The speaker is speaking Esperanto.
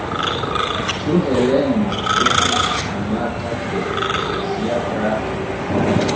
Ĉu Helenjo estis amata de sia frato?